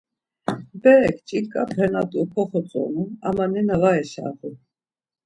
Berek ç̌inǩape na t̆u koxotzonu ama nena var eşağu.